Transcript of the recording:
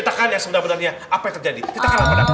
kita kan yang sebenarnya apa terjadi kita